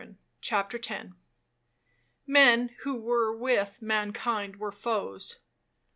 CHAPTER X Men who with mankind were foes.